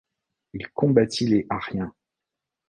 Il combattit les ariens.